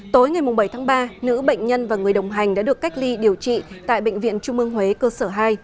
tối ngày bảy tháng ba nữ bệnh nhân và người đồng hành đã được cách ly điều trị tại bệnh viện trung ương huế cơ sở hai